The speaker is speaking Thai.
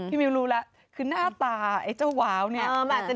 มิวรู้แล้วคือหน้าตาไอ้เจ้าว้าวเนี่ย